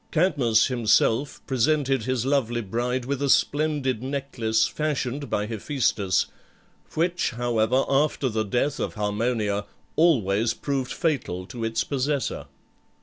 Cadmus himself presented his lovely bride with a splendid necklace fashioned by Hephæstus, which, however, after the death of Harmonia, always proved fatal to its possessor.